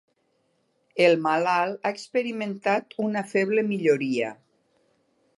El malalt ha experimentat una feble millora.